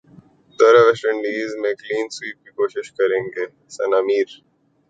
دورہ West Indies میں clean sweep کی کوشش کرینگے ثناء میر